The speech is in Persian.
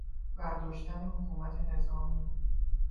برداشتن حکومت نظامی